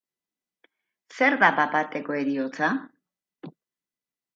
Zer da bat-bateko heriotza?